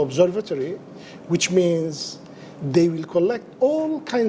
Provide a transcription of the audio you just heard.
yang berarti mereka akan mengumpulkan